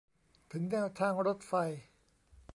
ถึงแนวทางรถไฟ